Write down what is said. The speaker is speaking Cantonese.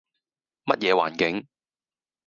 乜嘢環境